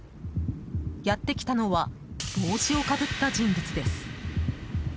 やってきたのは帽子をかぶった人物です。